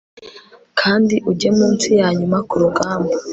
Kandi ujye munsi yanyuma kurugamba